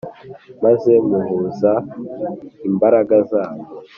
Maze muhuza imbaraga zanyu.